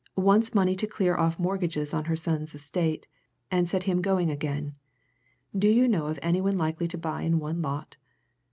Wants money to clear off mortgages on her son's estate, and set him going again. Do you know of any one likely to buy in one lot?